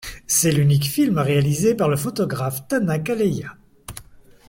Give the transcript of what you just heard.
C'est l'unique film réalisé par la photographe Tana Kaleya.